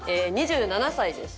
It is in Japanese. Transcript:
２７歳です。